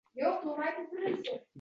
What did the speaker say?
undan ko‘pchilik foydalana olmaydi.